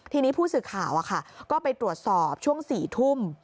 ทีนี้ผู้สื่อข่าวก็ไปตรวจสอบช่วง๔ทุ่ม